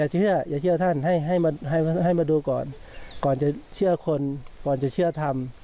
เฮียเขากินต่อจะเชื่อธรรม